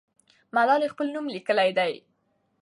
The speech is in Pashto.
ملالۍ خپل نوم لیکلی دی.